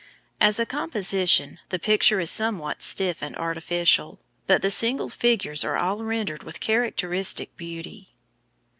As a composition, the picture is somewhat stiff and artificial, but the single figures are all rendered with characteristic beauty.